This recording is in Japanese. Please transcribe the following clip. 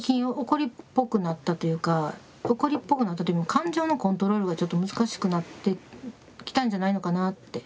怒りっぽくなったというよりも感情のコントロールがちょっと難しくなってきたんじゃないのかなって。